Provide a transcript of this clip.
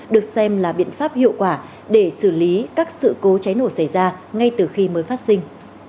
được xem là biện pháp hiệu quả để xử lý các sự cố cháy nổ xảy ra ngay từ khi mới phát sinh